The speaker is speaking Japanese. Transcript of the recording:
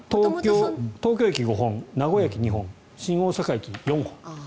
東京駅５本名古屋駅２本、新大阪駅４本。